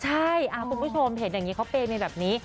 ใช่คุณผู้ชมเห็นอย่างนี้เขาเปย์มีแบบนี้